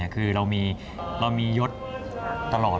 คือเรามียศตลอด